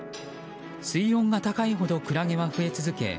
水温が高いほどクラゲは増え続け